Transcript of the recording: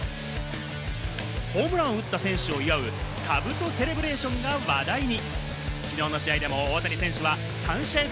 ホームランを打った選手を祝う、兜セレブレーションが話題に。